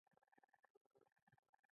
د زحمت ارزښت یوازې زحمتکښ کس پوهېږي.